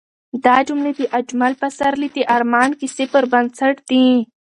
دا جملې د اجمل پسرلي د ارمان کیسې پر بنسټ دي.